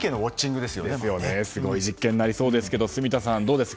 すごい実験になりそうですが住田さん、どうですか。